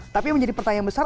tapi menjadi pertanyaan besar